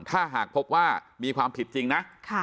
ถ้าหากพบว่ามีความผิดจริงนะ